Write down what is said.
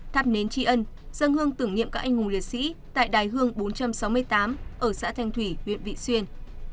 thắp nến tri ân dân hương tưởng niệm các anh hùng liệt sĩ tại đài hương bốn trăm sáu mươi tám ở xã thanh thủy huyện vị xuyên